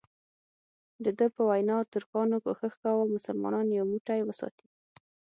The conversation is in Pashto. دده په وینا ترکانو کوښښ کاوه مسلمانان یو موټی وساتي.